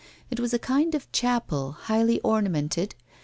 It was a kind of chapel, highly ornamented.